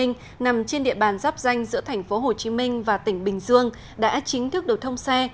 nằm trên địa bàn giáp danh giữa tp hcm và tỉnh bình dương đã chính thức được thông xe